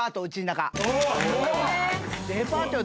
デパートよ。